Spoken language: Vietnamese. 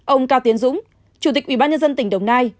ông cao tiến dũng chủ tịch ubnd tỉnh đồng nai